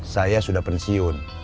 saya sudah pensiun